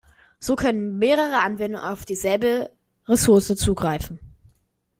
So können mehrere Anwendungen auf dieselbe Ressource zugreifen.